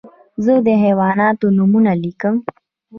زه د حیواناتو نومونه لیکم.